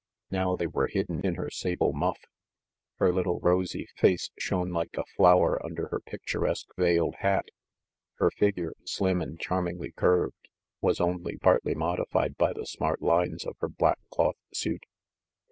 Now they were hidden in her sable muff. Her little rosy face shone like a flower under her picturesque veiled hat ; her figure, slim and charmingly curved, was only partly modified by the smart lines of her black cloth suit.